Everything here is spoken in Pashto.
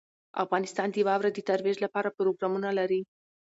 افغانستان د واوره د ترویج لپاره پروګرامونه لري.